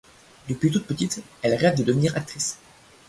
Depuis toutes petites, elles rêvent de devenir actrices.